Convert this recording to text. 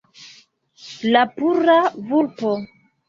La pura vulpo